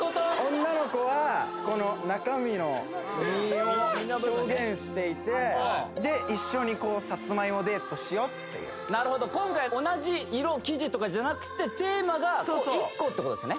女の子はこの中身の身を表現していてしようっていうなるほど今回同じ色生地とかじゃなくてテーマが１個ってことですね